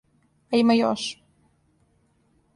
А има још.